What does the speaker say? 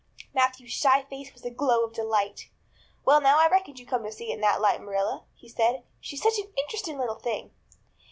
Matthew's shy face was a glow of delight. "Well now, I reckoned you'd come to see it in that light, Marilla," he said. "She's such an interesting little thing."